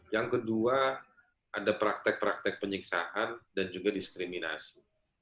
yang kedua ada praktek praktek penyiksaan dan juga diskriminasi